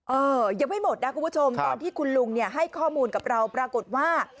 เออยังไม่หมดนะคุณผู้ชมตอนที่คุณลุงเนี่ยให้ข้อมูลกับเราปรากฏว่า